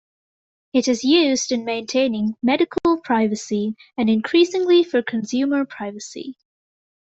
It is used in maintaining medical privacy and increasingly for consumer privacy.